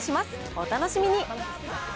お楽しみに。